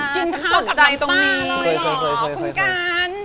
กินข้าวกับน้ำตาฉันส่งใจตรงนี้